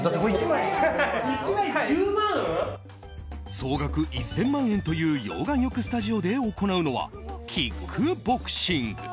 総額１０００万円という溶岩浴スタジオで行うのはキックボクシング。